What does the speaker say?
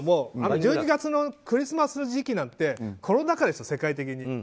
１２月のクリスマス時期なんてコロナ禍でしょ、世界的に。